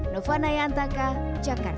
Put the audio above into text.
nova nayantaka jakarta